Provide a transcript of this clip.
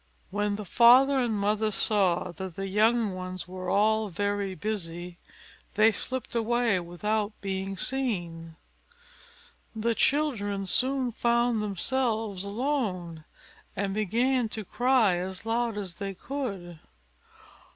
When the father and mother saw that the young ones were all very busy, they slipped away without being seen. The children soon found themselves alone, and began to cry as loud as they could.